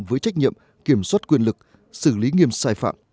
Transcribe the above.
với trách nhiệm kiểm soát quyền lực xử lý nghiêm sai phạm